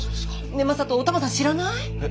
ねえ正門お玉さん知らない？え？